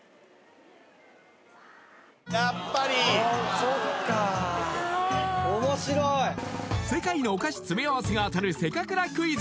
そっか世界のお菓子詰め合わせが当たるせかくらクイズ